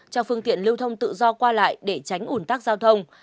cho phương tiện lưu thông tự do qua lại để tránh ủn tắc giao thông